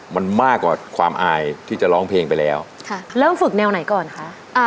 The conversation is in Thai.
มันมากกว่าความอายที่จะร้องเพลงไปแล้วค่ะเริ่มฝึกแนวไหนก่อนคะอ่า